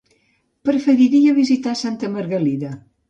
Preferiria visitar Santa Margalida.